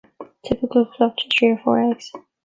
The typical clutch is three or four eggs.